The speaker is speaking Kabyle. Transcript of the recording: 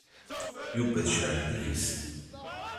Yuba tecεel deg-s.